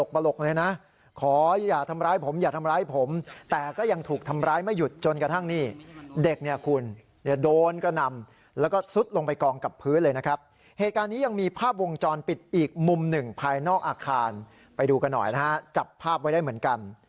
โบนตำแกะนำแล้วก็สุดลงไปกองกับพื้นเลยนะครับเหตุการณ์นี้ยังมีภาพวงจรปิดอีกมุม๑ภายนอกอาคารไปดูกันหน่อยนะจับภาพไว้ได้เหมือนกัน